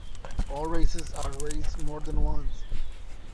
All races are raced more than once.